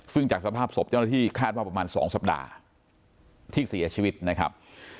ซึ่งจากสภาพศพเจ้าหน้าที่คาดว่าประมาณ๒สัปดาห์ที่เสียชีวิตนะครับ